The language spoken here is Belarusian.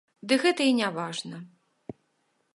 Ды гэта і не важна.